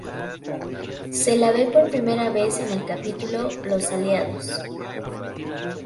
Se la ve por primera vez en el capítulo "Los aliados".